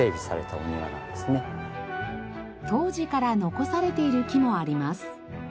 当時から残されている木もあります。